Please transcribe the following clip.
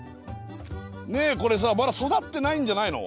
ねえこれさまだ育ってないんじゃないの？